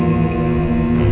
tuan tuan tuan